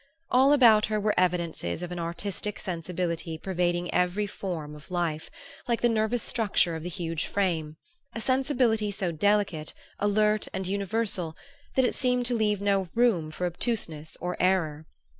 All about her were evidences of an artistic sensibility pervading every form of life like the nervous structure of the huge frame a sensibility so delicate, alert and universal that it seemed to leave no room for obtuseness or error.